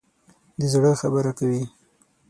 د زړه خبره کوي.